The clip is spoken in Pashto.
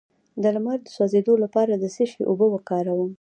د لمر د سوځیدو لپاره د څه شي اوبه وکاروم؟